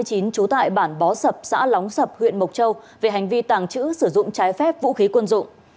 trú tại bản bó sập xã lóng sập huyện mộc châu về hành vi tàng trữ sử dụng trái phép vũ khí quân dụng